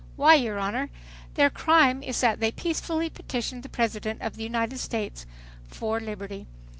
Why, your Honor, their crime is that they peacefully petitioned the President of the United States for liberty.